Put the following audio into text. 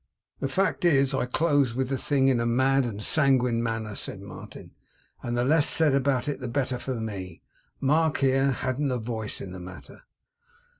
'The fact is, I closed with the thing in a mad and sanguine manner,' said Martin, 'and the less said about it the better for me. Mark, here, hadn't a voice in the matter.